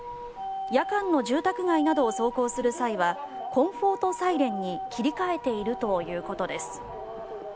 夜間の住宅街などを走行する際はコンフォート・サイレンに切り替えているということです。